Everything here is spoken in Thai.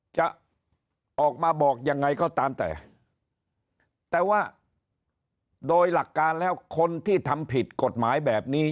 จะออกมาบอกยังไงก็ตามแต่แต่ว่าโดยหลักการแล้วคนที่ทำผิดกฎหมายแบบนี้